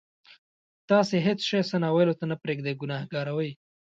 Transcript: تاسې هېڅ شی ثنا ویلو ته نه پرېږدئ ګناهګار وئ.